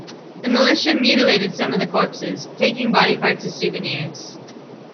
The militia mutilated some of the corpses, taking body parts as souvenirs.